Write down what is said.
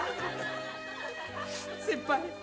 先輩。